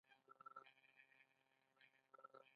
ایا وزن به کموئ؟